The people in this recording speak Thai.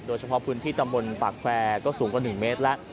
โดยเฉพาะพื้นที่ตำบลปากแควร์ก็สูงกว่า๑เมตรแล้ว